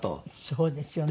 そうですよね。